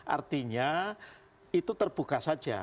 artinya itu terbuka saja